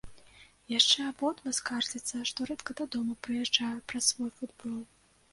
Яшчэ абодва скардзяцца, што рэдка дадому прыязджаю праз свой футбол.